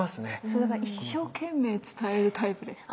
そうだから一生懸命伝えるタイプです。